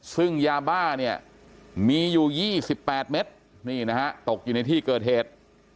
ซึ่งยาบ้าเนี่ยมีอยู่๒๘เมตรนี่นะฮะตกอยู่ในที่เกิดเหตุ